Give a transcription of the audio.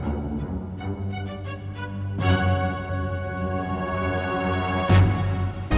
bapak jadi bingung